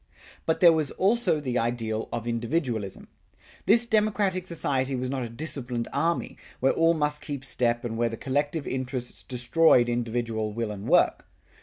But there was also the ideal of individualism. This democratic society was not a disciplined army, where all must keep step and where the collective interests destroyed individual will and work.